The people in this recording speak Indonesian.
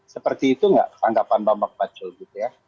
seperti itu nggak tanggapan bang pak pacul gitu ya